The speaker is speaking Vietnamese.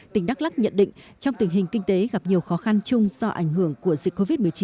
tỉnh đắk lắc nhận định trong tình hình kinh tế gặp nhiều khó khăn chung do ảnh hưởng của dịch covid một mươi chín